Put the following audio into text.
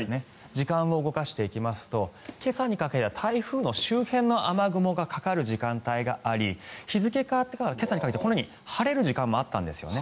時間を動かしていきますと今朝にかけて台風の周辺の雨雲がかかる時間帯があり日付変わって今朝にかけてはこのように晴れる時間もあったんですね。